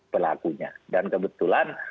pelakunya dan kebetulan